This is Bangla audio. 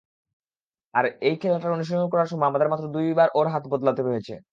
আর এই খেলাটার অনুশীলন করার সময় আমাদের মাত্র দুইবার ওর হাত বদলাতে হয়েছে।